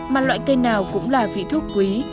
mà loại cây nào cũng là vị thuốc quý